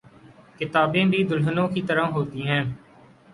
کتابیں بھی دلہنوں کی طرح ہوتی ہیں۔